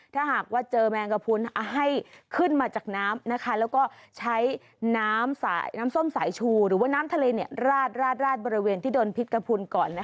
ถ้าหากว่าเจอแมงกระพุนให้ขึ้นมาจากน้ำแล้วก็ใช้น้ำส้มสายชูหรือว่าน้ำทะเลราดบริเวณที่โดนพิษกระพุนก่อน